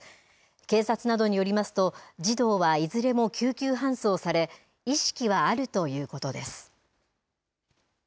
警察などによりますと児童はいずれも救急搬送され意識はあるということです。